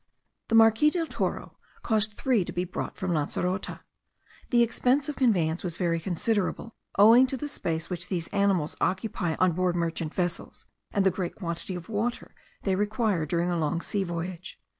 The Marquis del Toro caused three to be brought from Lancerote. The expense of conveyance was very considerable, owing to the space which these animals occupy on board merchant vessels, and the great quantity of water they require during a long sea voyage.